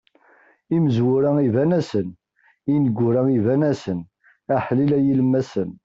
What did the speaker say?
Imezwura iban-asen, ineggura iban-asen, aḥlil a yilemmasen.